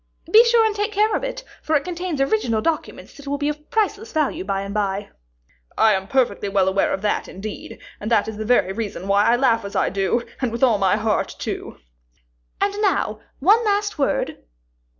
"Be sure and take care of it, for it contains original documents that will be of priceless value by and by." "I am perfectly well aware of that indeed, and that is the very reason why I laugh as I do, and with all my heart, too." "And now, one last word."